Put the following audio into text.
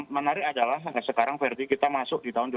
menarik adalah sampai sekarang verdi kita masuk di tahun dua ribu dua